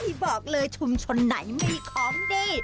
บอกเลยชุมชนไหนมีของดี